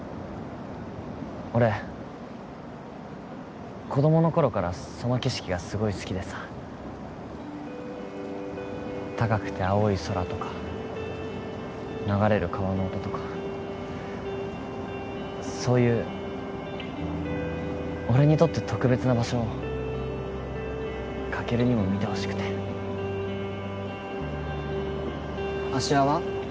俺子供の頃からその景色がすごい好きでさ高くて青い空とか流れる川の音とかそういう俺にとって特別な場所をカケルにも見てほしくて芦屋は？